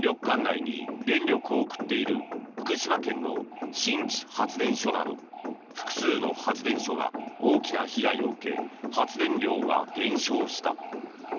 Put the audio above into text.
管内に電力を送っている福島県の新地発電所など複数の発電所が大きな被害を受け発電量が減少した。